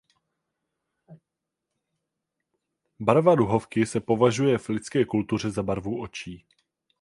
Barva duhovky se považuje v lidské kultuře za barvu očí.